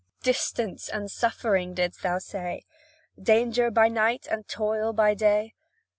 "Distance and suffering," didst thou say? "Danger by night, and toil by day?"